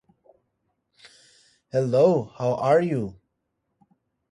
The community is served by the Easton Area School District.